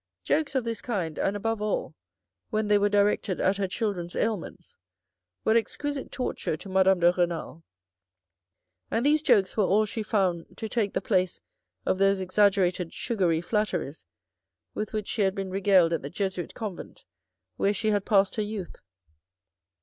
Jokes of this kind, and above all, when they were directed at her children's ailments, were exquisite torture to Madame de Renal. And these jokes were all she found to take the place of those exaggerated sugary flatteries with which she had been regaled at the Jesuit Convent where she had passed her youth.